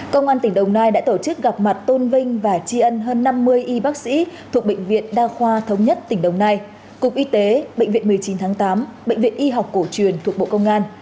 công an tp hcm đã tổ chức gặp mặt tôn vinh và tri ân hơn năm mươi y bác sĩ thuộc bệnh viện đa khoa thống nhất tp hcm cục y tế bệnh viện một mươi chín tháng tám bệnh viện y học cổ truyền thuộc bộ công an